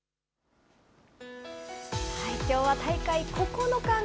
きょうは大会９日目。